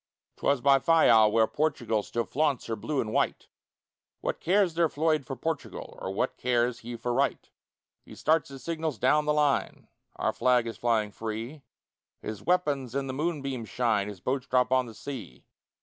'Twas by Fayal, where Portugal Still flaunts her Blue and White; What cares their Floyd for Portugal Or what cares he for right? He starts his signals down the line Our flag is flying free His weapons in the moonbeams shine, His boats drop on the sea.